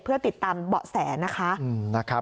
เพื่อติดตามเบาะแสนะคะ